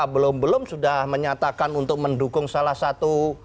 belum belum sudah menyatakan untuk mendukung salah satu